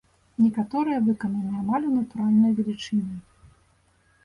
Некаторыя выкананы амаль у натуральную велічыню.